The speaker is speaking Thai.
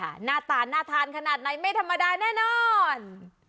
หน้าตาน่าทานขนาดไหนไม่ธรรมดาแน่นอน